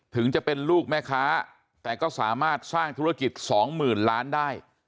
ถึงจะเป็นลูกแม่ค้าแต่ก็สามารถสร้างธุรกิจสองหมื่นล้านได้